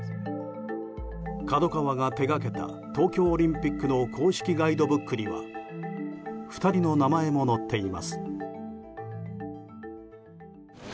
ＫＡＤＯＫＡＷＡが手掛けた東京オリンピックの公式ガイドブックには２人の名前も載っています。